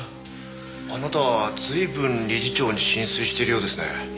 あなたは随分理事長に心酔しているようですね。